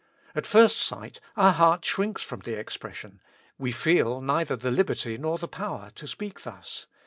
At first sight, our heart shrinks from the expression ; we feel neither the liberty nor the power to speak thus.